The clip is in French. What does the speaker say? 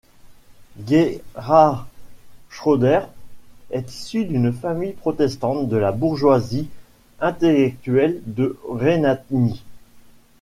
Gerhard Schröder est issu d’une famille protestante de la bourgeoisie intellectuelle de Rhénanie.